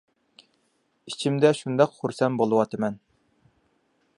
ئىچىمدە شۇنداق خۇرسەن بولۇۋاتىمەن